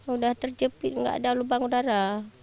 udah terjepit nggak ada lubang udara